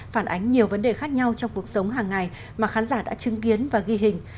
phản ánh nhiều vấn đề khác nhau trong cuộc sống hàng ngày mà khán giả đã chứng kiến và ghi hình